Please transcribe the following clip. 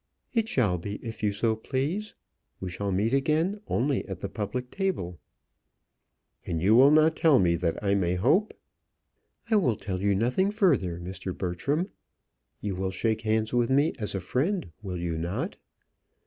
"It shall be if you so please. We shall meet again only at the public table." "And you will not tell me that I may hope?" "I will tell you nothing further, Mr. Bertram. You will shake hands with me as with a friend, will you not?"